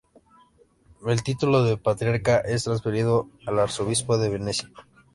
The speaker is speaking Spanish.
El título de patriarca es transferido al arzobispo de Venecia.